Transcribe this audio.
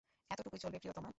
এতটুকুই চলবে, প্রিয়তমা!